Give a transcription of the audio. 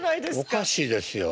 おかしいですよ。